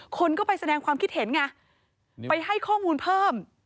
คนก็ไปแสดงความคิดเห็นไงไปให้ข้อมูลเพิ่ม